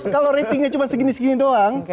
kalau ratingnya cuma segini segini doang